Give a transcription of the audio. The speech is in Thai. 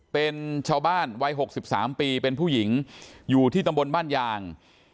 เป็นชาวบ้านวัย๖๓ปีเป็นผู้หญิงอยู่ที่ตำบลบ้านยาง